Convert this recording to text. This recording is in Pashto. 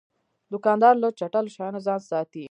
دوکاندار له چټلو شیانو ځان ساتي.